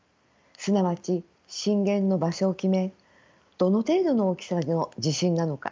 すなわち震源の場所を決めどの程度の大きさの地震なのか。